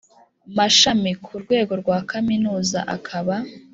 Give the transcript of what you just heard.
mashami ku rwego rwa Kaminuza akaba